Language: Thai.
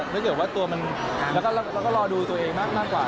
ถ้าเกิดว่าตัวมันแล้วก็รอดูตัวเองมากกว่า